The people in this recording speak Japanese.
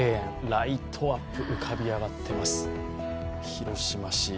ライトアップ、浮かび上がってます広島市。